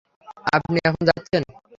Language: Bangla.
আপনি এখন যাচ্ছেন?